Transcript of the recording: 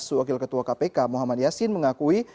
sewakil ketua kpk muhammad yassin mengakui